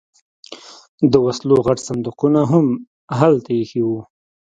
د وسلو غټ صندوقونه هم هلته ایښي وو